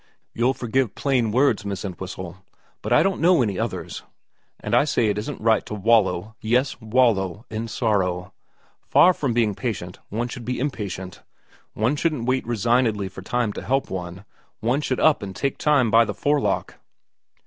You'll forgive plain words, Miss Entwhistle, but I don't know any others, and I say it isn't right to wallow yes, wallow in sorrow. Far from being patient one 46 VERA IT should be impatient. One shouldn't wait resignedly for time to help one, one should up and take time by the forelock.